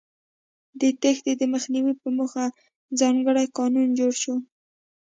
د تېښتې د مخنیوي په موخه ځانګړی قانون جوړ شو.